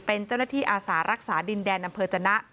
เป็นเจ้าหน้าที่อาสารักษาดินแดนอำเภอจนะ